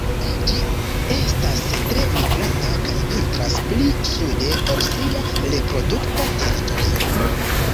Ĝi estas tre migranta kaj vintras pli sude ol sia reprodukta teritorio.